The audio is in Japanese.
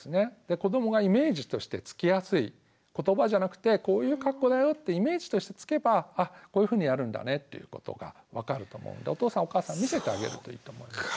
子どもがイメージとしてつきやすい言葉じゃなくてこういう格好だよってイメージとしてつけばあっこういうふうにやるんだねっていうことが分かると思うんでお父さんお母さん見せてあげるといいと思うんですね。